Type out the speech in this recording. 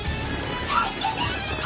助けてー！